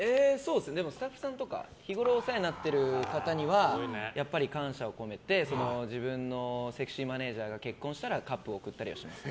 スタッフさんとか日ごろお世話になっている方にはやっぱり感謝を込めて自分のセクシーマネジャーが結婚したらカップを贈ったりはします。